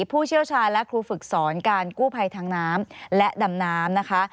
ผู้เชี่ยวชาญและครูฝึกสอนการกู้ภัยทางน้ำและดำน้ำนะคะ